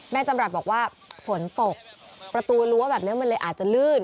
นายจำรัฐบอกว่าฝนตกประตูรั้วแบบนี้มันเลยอาจจะลื่น